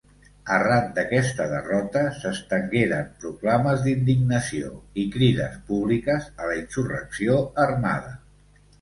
Arran d'aquesta derrota s'estengueren proclames d'indignació i crides públiques a la insurrecció armada.